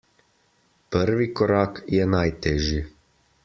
Prvi korak je najtežji.